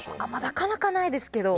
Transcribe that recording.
なかなかないですけど。